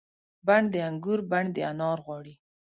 بڼ د انګور بڼ د انار غواړي